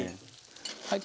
はい。